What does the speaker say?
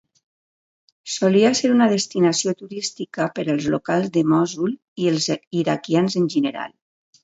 Solia ser una destinació turística per als locals de Mossul i els iraquians en general.